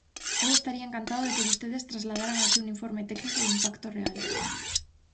Eu estaría encantado de que vostedes trasladaran aquí un informe técnico de impacto real.